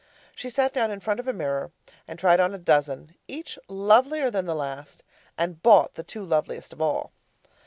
She sat down in front of a mirror and tried on a dozen, each lovelier than the last, and bought the two loveliest of all.